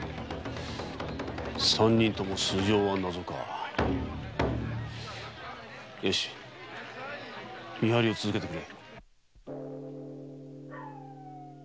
三人とも素性は謎かよし見張りを続けてくれ。